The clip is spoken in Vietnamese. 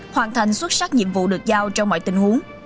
hoàn thành xuất sắc nhiệm vụ được giao trong mọi tình huống